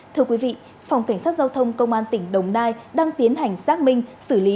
thưa quý vị phòng cảnh sát giao thông công an tỉnh đồng nai đang tiến hành xác minh xử lý